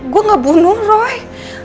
gue gak bunuh roy